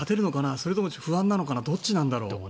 それとも不安なのかなどっちなんだろう。